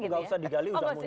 nggak usah digali sudah muncul